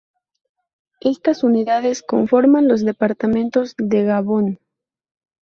Éstas unidades conforman los Departamentos de Gabón.